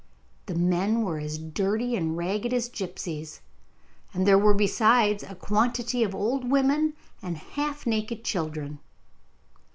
The men were as dirty and ragged as gipsies, and there were besides a quantity of old women and half naked children.